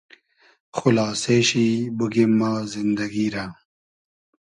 خولاسې شی بوگیم ما زیندئگی رۂ